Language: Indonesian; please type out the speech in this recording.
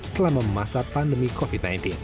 selama masa pandemi covid sembilan belas